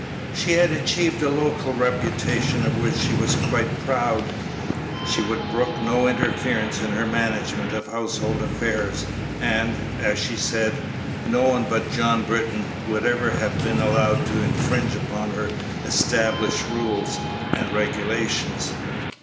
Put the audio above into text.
She had achieved a local reputation of which she was quite proud; she would brook no interference in her management of household affairs, and, as she said, no one but John Britton would ever have been allowed to infringe upon her established rules and regulations.